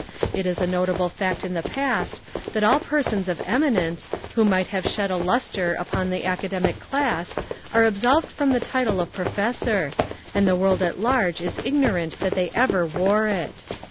It is a notable fact in the past, that all persons of eminence who might have shed a lustre up on the academic class are absolved from the title of professor, and the world at large is ignorant that they ever wore it.